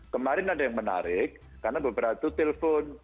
kemarin ada yang menarik karena beberapa itu telpon